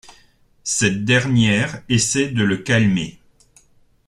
Cette dernière essaie de le calmer.